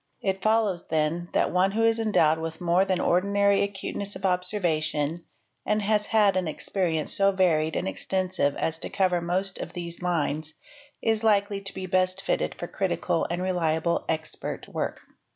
It follows, then, that one who is endowed with more than ordinary acuteness of observation, and bas had an experience so varied ¢ extensive as to cover most of these lines, is likely to be best fitted 1 0 critical and reliable expert work.